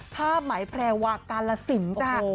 ภาพหมายแพรวากาลสินค่ะ